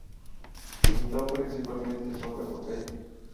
Pintó principalmente sobre panel.